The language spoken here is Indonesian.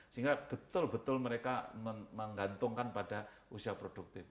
sehingga betul betul mereka menggantungkan pada usia produktif